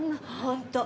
本当。